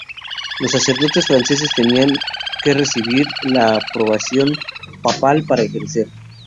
Los sacerdotes franceses tenían que recibir además la aprobación papal para ejercer.